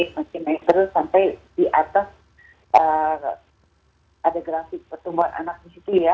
makin naik terus sampai di atas ada grafik pertumbuhan anak disitu ya